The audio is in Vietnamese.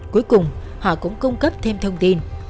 cuối cùng họ cũng cung cấp thêm thông tin